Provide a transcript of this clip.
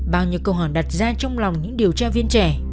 bao nhiêu câu hỏi đặt ra trong lòng những điều tra viên trẻ